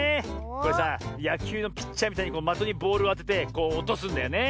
これさやきゅうのピッチャーみたいにまとにボールをあててこうおとすんだよね。